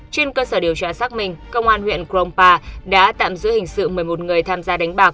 trên cơ sở điều tra xác minh công an huyện krongpa đã tạm giữ hình sự một mươi một người tham gia đánh bạc